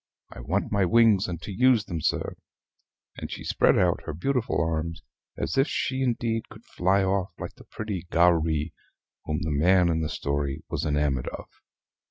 I want my wings and to use them, sir." And she spread out her beautiful arms, as if indeed she could fly off like the pretty "Gawrie," whom the man in the story was enamored of.